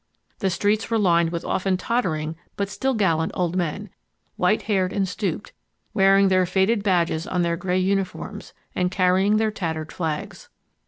The streets were lined with often tottering but still gallant old men, whitehaired and stooped, wearing their faded badges on their gray uniforms, and carrying their tattered flags.